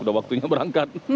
udah waktunya berangkat